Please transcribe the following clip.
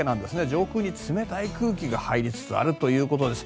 上空に冷たい空気が入りつつあるということです。